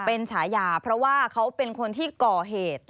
เป็นฉายาเพราะว่าเขาเป็นคนที่ก่อเหตุ